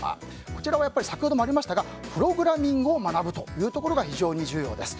こちらは先ほどもありましたがプログラミングを学ぶというのが非常に重要です。